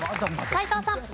斎藤さん。